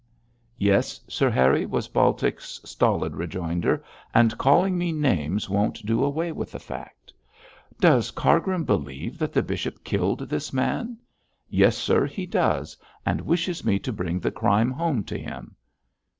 'Yes, Sir Harry,' was Baltic's stolid rejoinder, 'and calling me names won't do away with the fact.' 'Does Cargrim believe that the bishop killed this man?' 'Yes, sir, he does, and wishes me to bring the crime home to him.'